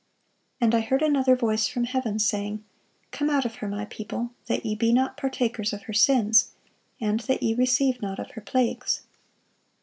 "And I heard another voice from heaven, saying, Come out of her, My people, that ye be not partakers of her sins, and that ye receive not of her plagues."